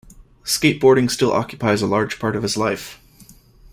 Skateboarding still occupies a large part of his life.